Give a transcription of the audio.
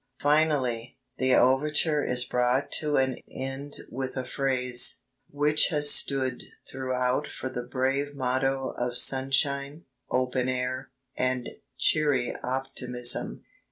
Finally, the overture is brought to an end with a phrase "which has stood throughout for the brave motto of Sunshine, Open Air, and Cheery Optimism."